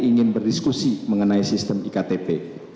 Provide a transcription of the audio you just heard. ingin berdiskusi mengenai sistem iktp